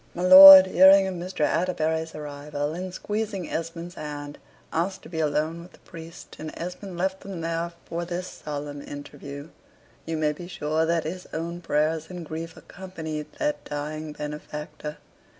My lord, hearing of Mr. Atterbury's arrival, and squeezing Esmond's hand, asked to be alone with the priest; and Esmond left them there for this solemn interview. You may be sure that his own prayers and grief accompanied that dying benefactor.